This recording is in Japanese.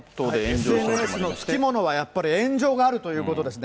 ＳＮＳのつきものは、やっぱり炎上があるということですね。